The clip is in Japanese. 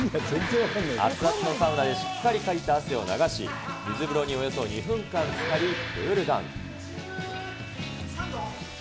熱々のサウナでしっかりかいた汗を流し、水風呂におよそ２分間つかりクールダウン。